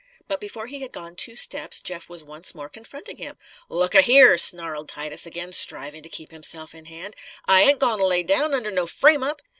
But before he had gone two steps Jeff was once more confronting him. "Look a here!" snarled Titus, again, striving to keep himself in hand, "I ain't goin' to lay down under no frame up!